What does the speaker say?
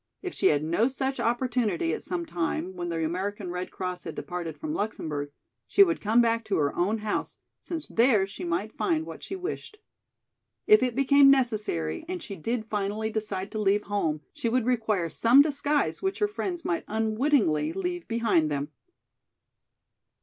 If she had no such opportunity at some time, when the American Red Cross had departed from Luxemburg, she would come back to her own house, since there she might find what she wished. If it became necessary and she did finally decide to leave home she would require some disguise which her friends might unwittingly leave behind them.